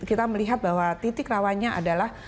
kita melihat bahwa titik rawannya adalah